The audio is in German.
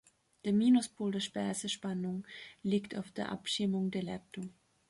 Der Minuspol der Speisespannung liegt auf der Abschirmung der Leitung.